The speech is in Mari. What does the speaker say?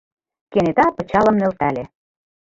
Кенета пычалым нӧлтале.